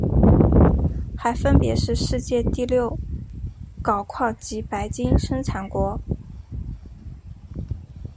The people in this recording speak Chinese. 还分别是世界第六大镍矿及白金生产国。